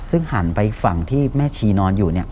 ซึ่งหันไปอีกฝั่งที่แม่ชีนอนอยู่